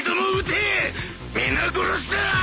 皆殺しだァ！